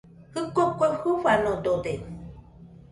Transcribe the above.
Jɨko kue jɨfanodode